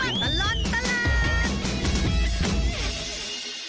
ช่วงตลอดตลอด